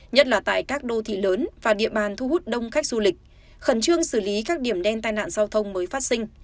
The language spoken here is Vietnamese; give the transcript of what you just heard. nhất là tại các đô thị lớn và địa bàn thu hút đông khách du lịch khẩn trương xử lý các điểm đen tai nạn giao thông mới phát sinh